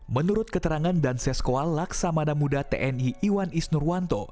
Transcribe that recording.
menurut keterangan danses kual laksamana muda tni iwan isnurwan